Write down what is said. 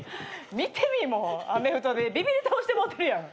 見てみもうアメフトでビビり倒してもうてるやん。